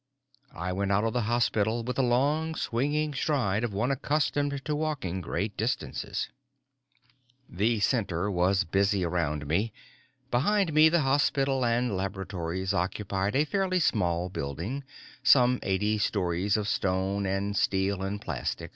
I went out of the hospital with the long swinging stride of one accustomed to walking great distances. The Center was busy around me. Behind me, the hospital and laboratories occupied a fairly small building, some eighty stories of stone and steel and plastic.